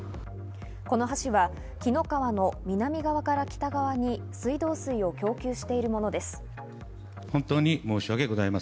この橋は紀の川の南側から北側に水道水を供給しているものです。